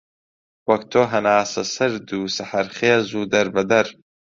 وەک تۆ هەناسەسەرد و سەحەرخێز و دەربەدەر